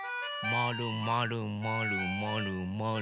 まるまるまるまるまる。